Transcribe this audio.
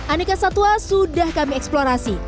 aneka satwa sudah kami eksplorasi